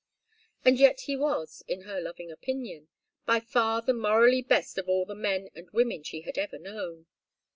And yet he was, in her loving opinion, by far the morally best of all the men and women she had ever known.